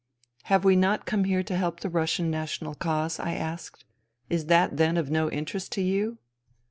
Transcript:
" Have we not come here to help the Russian national cause ?" I asked. " Is that then of no interest to you